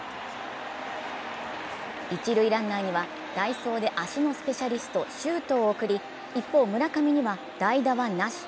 一塁ランナーには代走で足のスペシャリスト・周東を送り一方、村上には代打はなし。